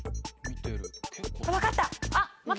分かった！